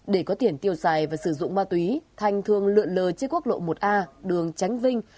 để có tiền tiêu xài và sử dụng ma túy thành thường lượn lờ trên quốc lộ một a đường tránh vinh